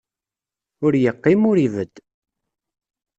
Ur yeqqim, ur ibedd.